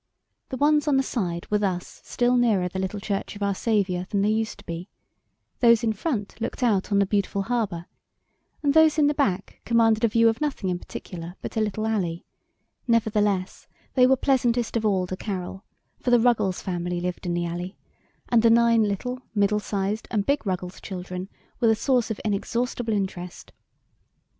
The ones on the side were thus still nearer the little Church of our Saviour than they used to be; those in front looked out on the beautiful harbor, and those in the back commanded a view of nothing in particular but a little alley nevertheless, they were pleasantest of all to Carol, for the Ruggles family lived in the alley, and the nine little, middle sized and big Ruggles children were the source of inexhaustible interest.